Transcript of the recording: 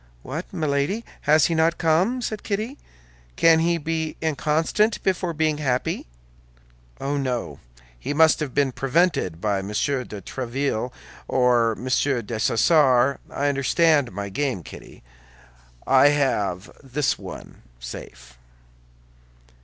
"What, Milady! has he not come?" said Kitty. "Can he be inconstant before being happy?" "Oh, no; he must have been prevented by Monsieur de Tréville or Monsieur Dessessart. I understand my game, Kitty; I have this one safe."